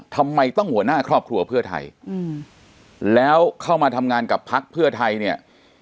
ทำไมต้องหัวหน้าครอบครัวเพื่อไทยแล้วเข้ามาทำงานกับพักเพื่อไทยเนี่ย